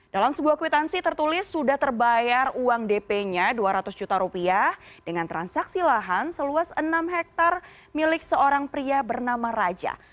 dalam sebuah kwitansi tertulis sudah terbayar uang dp nya dua ratus juta rupiah dengan transaksi lahan seluas enam hektare milik seorang pria bernama raja